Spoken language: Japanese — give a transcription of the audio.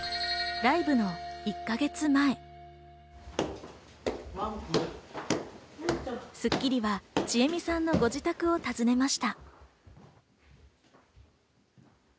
ライブの１か月前、『スッキリ』は、ちえみさんのご自宅を訪ねました。